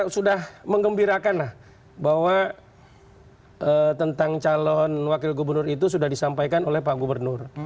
sudah mengembirakan lah bahwa tentang calon wakil gubernur itu sudah disampaikan oleh pak gubernur